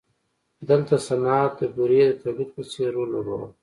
دلته صنعت د بورې د تولید په څېر رول لوباوه.